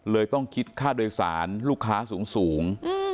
ต้องคิดค่าโดยสารลูกค้าสูง